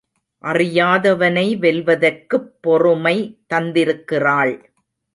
அறியாதவனை வெல்வதற்குப் பொறுமை தந்திருக்கிறாள்.